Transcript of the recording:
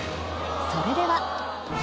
それでは。